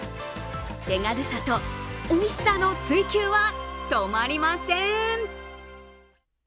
手軽さをおいしさの追求は止まりません。